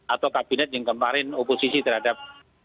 atau kabinet yang kemarin oposisi terhadap